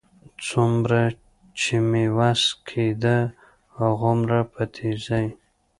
څومره چې مې وس کېده، هغومره په تېزۍ.